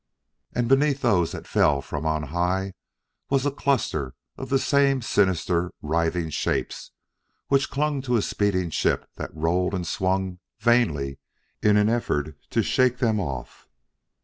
And beneath those that fell from on high was a cluster of the same sinister, writhing shapes which clung to a speeding ship that rolled and swung vainly in an effort to shake them off.